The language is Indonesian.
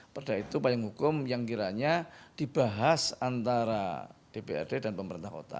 perda itu payung hukum yang kiranya dibahas antara dprd dan pemerintah kota